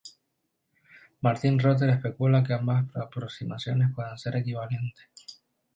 Martin Reuter especula que ambas aproximaciones puedan ser equivalentes.